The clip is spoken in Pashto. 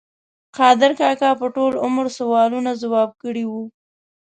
قادر کاکا په ټول عمر سوالونه ځواب کړي وو.